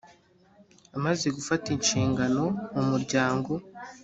amaze gufata inshingano. mu muryango